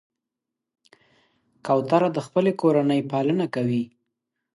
کوتره د خپلې کورنۍ پالنه کوي.